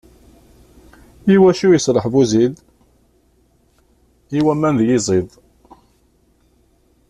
I wacu iṣleḥ Buzid? i waman d yiẓid.